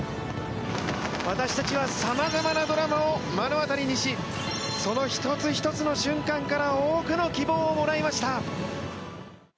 私たちは様々なドラマを目の当たりにしその１つ１つの瞬間から多くの希望をもらいました。